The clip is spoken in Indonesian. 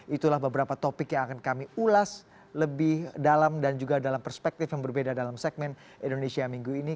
itulah beberapa topik yang akan kami ulas lebih dalam dan juga dalam perspektif yang berbeda dalam segmen indonesia minggu ini